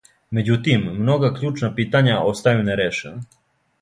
Међутим, многа кључна питања остају нерешена.